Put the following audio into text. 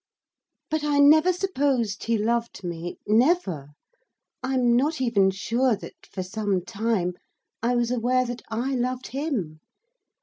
But I never supposed he loved me, never. I am not even sure that, for some time, I was aware that I loved him.